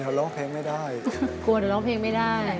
กลัวเดี๋ยวร้องเพลงไม่ได้